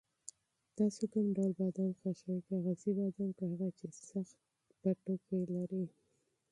تاسو کوم ډول بادام خوښوئ، کاغذي بادام که هغه چې سخت پوستکی لري؟